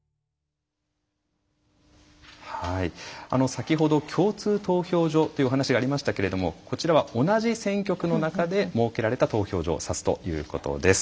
先ほど共通投票所というお話がありましたけれどもこちらは同じ選挙区の中で設けられた投票所を指すということです。